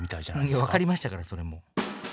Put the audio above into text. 分かりましたからそれもう。